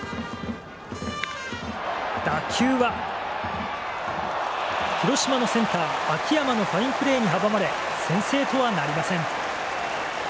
打球は広島のセンター、秋山のファインプレーに阻まれ先制とはなりません。